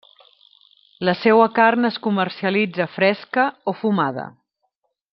La seua carn es comercialitza fresca o fumada.